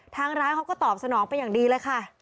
ทางร้านเขาก็ตอบสนองเป็นอย่างดีเลยค่ะ